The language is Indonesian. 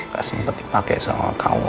gak sempet dipake sama kau